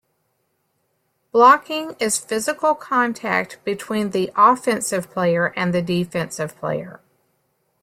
Blocking is physical contact between the offensive player and the defensive player.